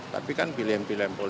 tapi kan bmp